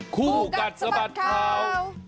คู่กัดสะบัดข่าว